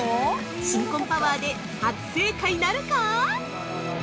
新婚パワーで初正解なるか！？